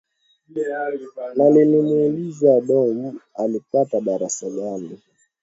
na nilimuuliza damon alipata darasa gani